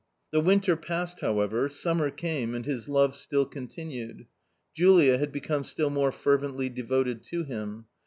The winter passed however, summer came, and his love still continued. Julia had become still more fervently de voted to him.